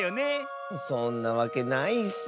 そんなわけないッス！